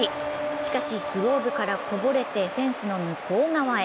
しかし、グローブからこぼれてフェンスの向こう側へ。